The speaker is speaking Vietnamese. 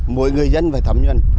mỗi người dân phải thẩm nhuận